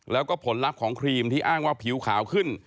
แล้วก็ผลลัพธ์ของครีมที่อ้างว่าผิวขาวขึ้น